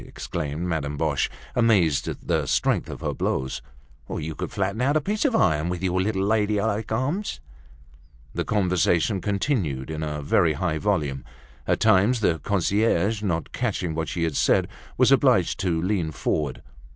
exclaimed Madame Boche, amazed at the strength of her blows. "You could flatten out a piece of iron with your little lady like arms." The conversation continued in a very high volume. At times, the concierge, not catching what was said, was obliged to lean forward.